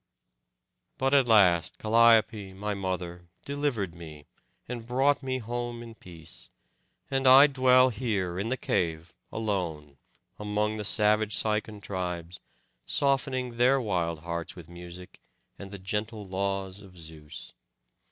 But at last Calliope, my mother, delivered me, and brought me home in peace; and I dwell here in the cave alone, among the savage Cicon tribes, softening their wild hearts with music and the gentle laws of Zeus.